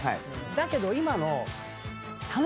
だけど今の。